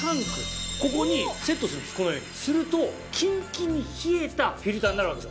ここにセットするとキンキンに冷えたフィルターになるわけですよ。